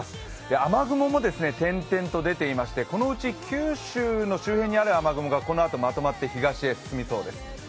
雨雲も点々と出ていましてこのうち九州周辺にある雨雲がこのあとまとまって東へ進みそうです。